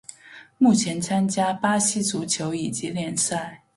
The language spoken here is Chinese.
目前参加巴西足球乙级联赛。